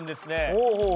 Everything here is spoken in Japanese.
ほうほう。